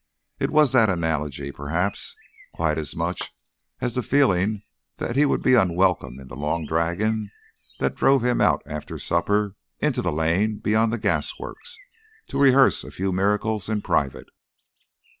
It was that analogy, perhaps, quite as much as the feeling that he would be unwelcome in the Long Dragon, that drove him out after supper into the lane beyond the gas works, to rehearse a few miracles in private.